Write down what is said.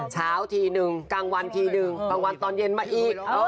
เช้าที๑กลางวันที๑บางวันตอนเย็นมาอีก